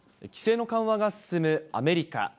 規制の緩和が進むアメリカ。